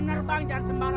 jangan pergi sama aku